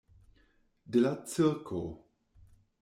De la cirko.